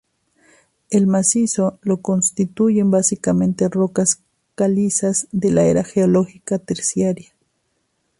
El macizo lo constituyen básicamente rocas calizas de la era geológica terciaria.